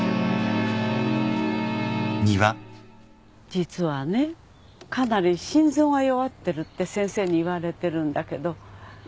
実はねかなり心臓が弱ってるって先生に言われてるんだけど。